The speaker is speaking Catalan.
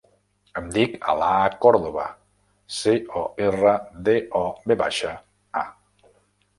Em dic Alaa Cordova: ce, o, erra, de, o, ve baixa, a.